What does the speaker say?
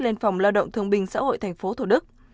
lên phòng lao động thương minh xã hội tp thổ đức